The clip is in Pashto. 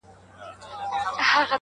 • دا متل مو د نیکونو له ټبر دی -